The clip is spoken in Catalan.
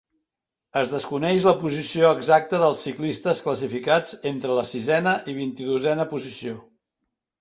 Es desconeix la posició exacta dels ciclistes classificats entre la siena i vint-i-dosena posició.